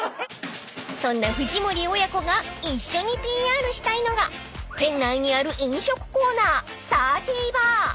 ［そんな藤森親子が一緒にＰＲしたいのが店内にある飲食コーナー３０ＢＡＲ］